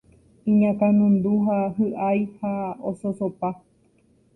iñakãnundu ha hy'ái ha ososopa